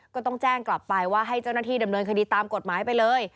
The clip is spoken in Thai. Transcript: ก็ต้องแจ้งกลับไปว่าให้เจ้าหน้าที่ดำเนินคดีตามกฎหมายไปเลย